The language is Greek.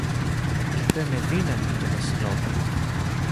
είπε με δύναμη το Βασιλόπουλο.